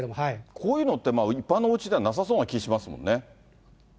こういうのって、一般のおうちではなさそうな気しますもんね。